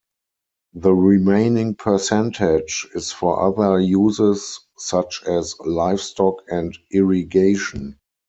The remaining percentage is for other uses such as livestock and irrigation.